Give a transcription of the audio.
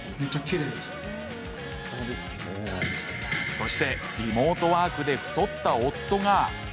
そしてリモートワークで太った夫が。